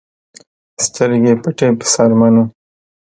سترګې پټې په څرمنو